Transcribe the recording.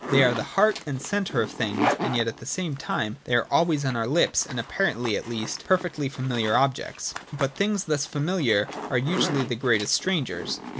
They are the heart and centre of things : and yet at the same time they are always on our lips, and, apparently at least, perfectly familiar objects. But things thus familiar are usually the greatest strangers.